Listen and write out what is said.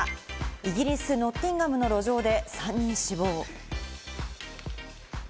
イギリス・ノッティンガムの路上で３人死亡。